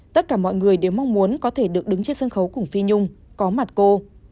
tất cả mọi người đều mong muốn có thể được đứng trên sân khấu cùng phi nhung có mặt cô